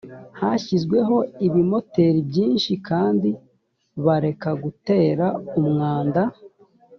hashyizweho ibimoteri byinshi kandi bareka gutera umwanda